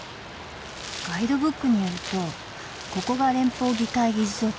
ガイドブックによるとここが連邦議会議事堂か。